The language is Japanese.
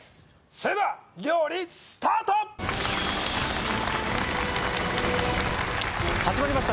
それでは料理スタート始まりました